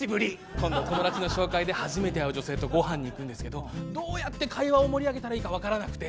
今度友達の紹介で初めて会う女性とご飯に行くんですけどどうやって会話を盛り上げたらいいかわからなくて。